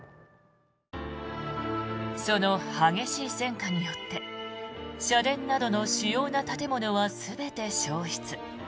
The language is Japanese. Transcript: その激しい戦火によって社殿などの主要な建物は全て焼失。